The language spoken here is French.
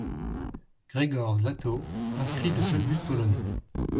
Grzegorz Lato inscrit le seul but polonais.